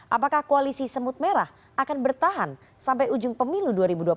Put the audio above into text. apakah koalisi semut merah akan bertahan sampai ujung pemilu dua ribu dua puluh empat